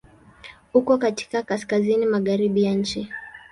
Uko katika kaskazini-magharibi ya nchi.